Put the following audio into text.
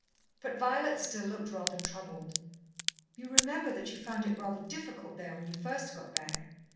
But Violet still looked rather troubled. "You remember that you found it rather difficult there, when you first got back.